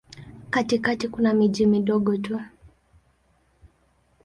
Katikati kuna miji midogo tu.